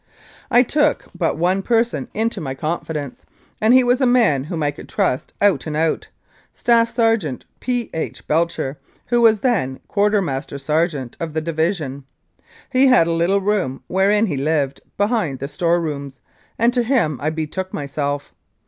I took but one person into my confidence, and he was a man whom I could trust out and out Staff Sergeant P. H. Belcher, who was then Quartermaster Sergeant of the Division. He had a little room, wherein he lived, behind the store rooms, and to him I betook myself.